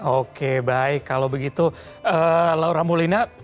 oke baik kalau begitu laura moulina terima kasih atas waktunya